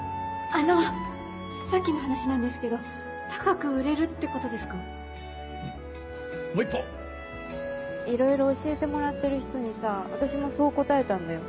あのさっきの話なんですけど高く売れうんもう一歩いろいろ教えてもらってる人にさ私もそう答えたんだよ。